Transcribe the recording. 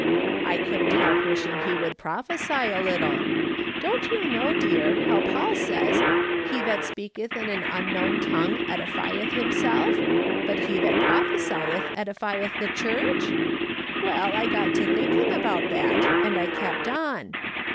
I couldn't help wishing he would prophesy a little ; don't you know, dear, how "/ SUPPOSE HE AWmVS iVHAT HE MEANT." 159 Paul says ' lie that speakctli in an unknown tongue editieth himself; but he that prophesieth, edifieth the Church ?' Well, I got to thinking about that, and I kept on.